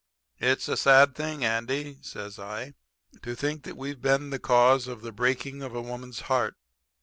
"'It's a sad thing, Andy,' says I, 'to think that we've been the cause of the breaking of a woman's heart.'